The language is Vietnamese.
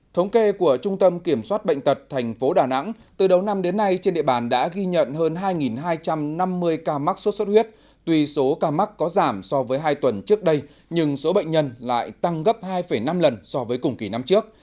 thống kê của trung tâm kiểm soát bệnh tật tp đà nẵng từ đầu năm đến nay trên địa bàn đã ghi nhận hơn hai hai trăm năm mươi ca mắc sốt xuất huyết tuy số ca mắc có giảm so với hai tuần trước đây nhưng số bệnh nhân lại tăng gấp hai năm lần so với cùng kỳ năm trước